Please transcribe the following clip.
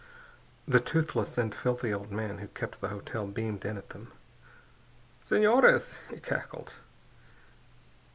The toothless and filthy old man who kept the hotel beamed in at them. "Senores," he cackled.